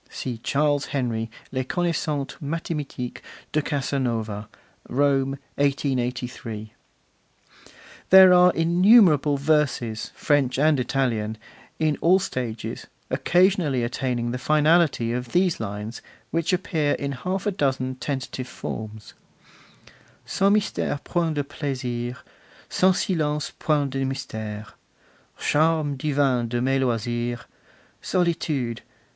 [See Charles Henry, Les Connaissances Mathimatiques de Casanova. Rome, 1883.] There are innumerable verses, French and Italian, in all stages, occasionally attaining the finality of these lines, which appear in half a dozen tentative forms: 'Sans mystere point de plaisirs, Sans silence point de mystere. Charme divin de mes loisirs, Solitude!